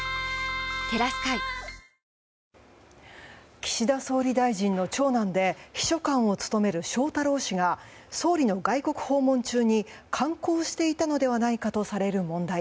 岸田総理大臣の長男で秘書官を務める翔太郎氏が総理の外国訪問中に観光していたのではないかとされる問題。